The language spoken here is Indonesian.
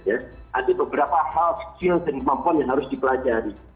ada beberapa hal skill dan kemampuan yang harus dipelajari